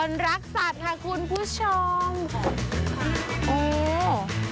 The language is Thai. รักสัตว์ค่ะคุณผู้ชมโอ้